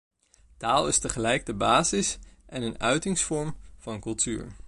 Taal is tegelijk de basis en een uitingsvorm van cultuur.